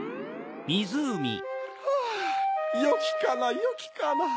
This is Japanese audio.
ハァよきかなよきかな。